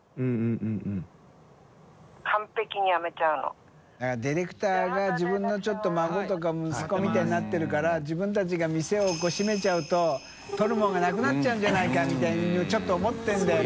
世ディレクターがちょっと孫とか息子みたいになってるから燭舛店を閉めちゃうと襪發里なくなっちゃうんじゃないかみたいに舛腓辰思ってるんだよね。